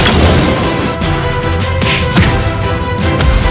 tidak ada apa apa